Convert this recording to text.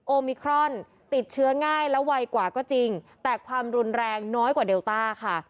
มิครอนติดเชื้อง่ายและไวกว่าก็จริงแต่ความรุนแรงน้อยกว่าเดลต้าค่ะ